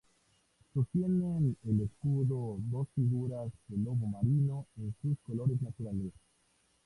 Sostienen el escudo dos figuras de lobo marino, en sus colores naturales.